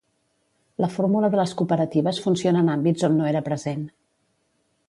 La fórmula de les cooperatives funciona en àmbits on no era present.